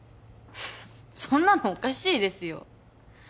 そんなのおかしいですよ